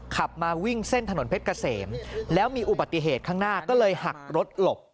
ขับมาวิ่งเส้นถนนเพชรเกษมแล้วมีอุบัติเหตุข้างหน้าก็เลยหักรถหลบ